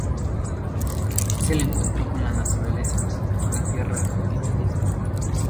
Es el encuentro con la naturaleza, con la tierra, contigo mismo.